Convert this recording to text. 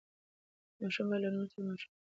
ماشوم باید له نورو ماشومانو زده کړه وکړي.